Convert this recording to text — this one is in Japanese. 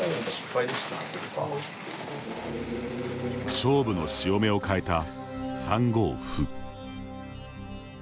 勝負の潮目を変えた３五歩。